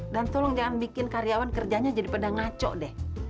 dan tolong jangan bikin karyawan kerjanya jadi pedang ngaco deh